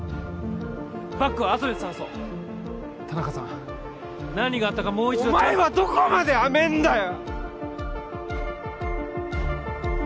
バッグはあとで捜そう田中さん何があったかもう一度お前はどこまで甘えんだよ！